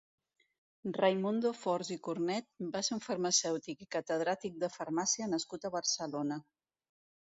Raimundo Fors i Cornet va ser un farmacèutic i catedràtic de farmàcia nascut a Barcelona.